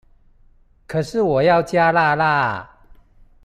可是我要加辣辣